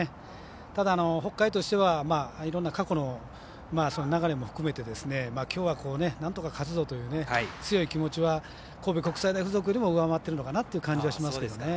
ただ、北海としてはいろんな過去の流れも含めてきょうはなんとか勝つぞという強い気持ちは神戸国際大付属よりも上回ってるのかなという感じはしますね。